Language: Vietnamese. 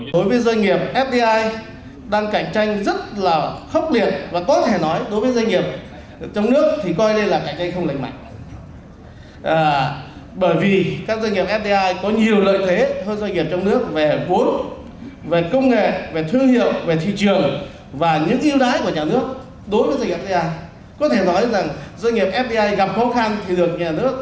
tại doanh nghiệp fdi có thể nói rằng doanh nghiệp fdi gặp khó khăn thì được nhà nước